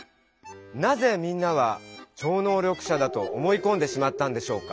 なぜみんなは超能力者だと思いこんでしまったんでしょうか。